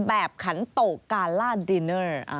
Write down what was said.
แบบขันโต๊ะกาลาดินเนอร์